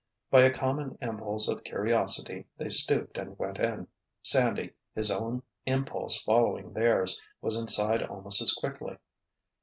By a common impulse of curiosity they stooped and went in. Sandy, his own impulse following theirs, was inside almost as quickly.